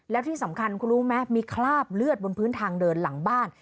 แล้วที่สำคัญคุณรู้ไหมมีคราบเลือดบนพื้นทางเดินหลังบ้าน